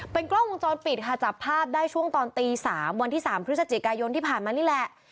กล้องวงจรปิดค่ะจับภาพได้ช่วงตอนตี๓วันที่๓พฤศจิกายนที่ผ่านมานี่แหละ